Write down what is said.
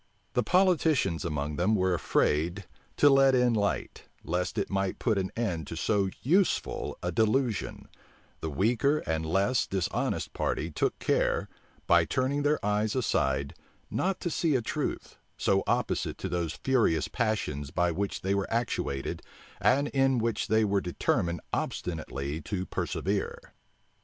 The politicians among them were afraid to let in light, lest it might put an end to so useful a delusion: the weaker and less dishonest party took care, by turning their eyes aside, not to see a truth, so opposite to those furious passions by which they were actuated, and in which they were determined obstinately to persevere.